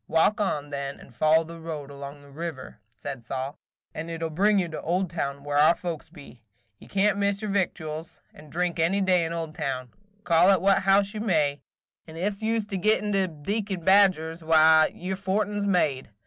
Walk on, then, and follow the road along the river," said Sol, "and it 'll bring you to Oldtown, where our folks be. You can't miss your victuals and drink any day in Oldtown, call at what house you may; and ef you 's to get into Deacon Badger's, why, your fortin 's made.